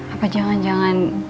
apa yang udah